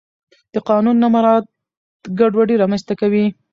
د قانون نه مراعت ګډوډي رامنځته کوي